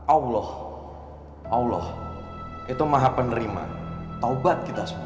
allah allah itu maha penerima taubat kita semua